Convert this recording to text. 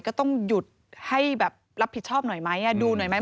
ก็ต้องหยุดให้แบบรับผิดชอบหน่อยไหมดูหน่อยไหม